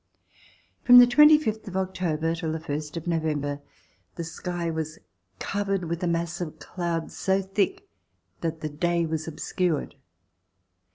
From the twenty fifth of October until the first of November the sky was covered with a mass of clouds so thick that the day was obscured.